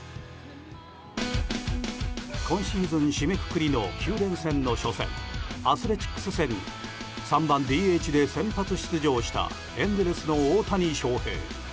今シーズン締めくくりの９連戦の初戦アスレチックス戦に３番ＤＨで先発出場したエンゼルスの大谷翔平。